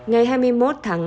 ngày hai mươi một tháng năm